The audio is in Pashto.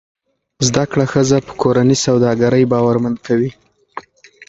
زده کړه ښځه په کورني سوداګرۍ باورمند کوي.